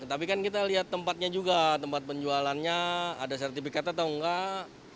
tapi kan kita lihat tempatnya juga tempat penjualannya ada sertifikat atau enggak